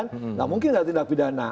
tidak mungkin ada tindak pidana